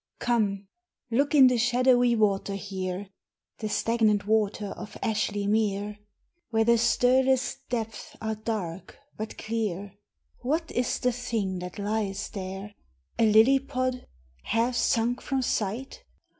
Come! look in the shadowy water here, The stagnant water of Ashly Mere: Where the stirless depths are dark but clear, What is the thing that lies there? A lily pod half sunk from sight?